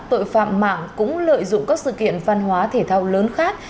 tội phạm mạng cũng lợi dụng các sự kiện văn hóa thể thao lớn khác